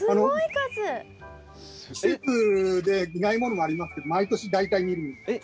季節でいないものもありますけど毎年大体見るんですけどね。